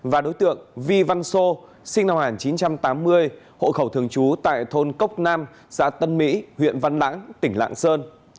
và đối tượng vi văn sô sinh năm một nghìn chín trăm tám mươi hộ khẩu thường trú tại thôn cốc nam xã tân mỹ huyện văn lãng tỉnh lạng sơn